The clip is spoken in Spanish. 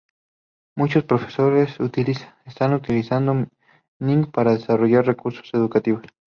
Muchos profesores están utilizando Ning para desarrollar recursos educativos.